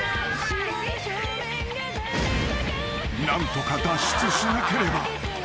［何とか脱出しなければ］